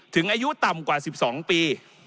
อายุต่ำกว่า๑๒ปี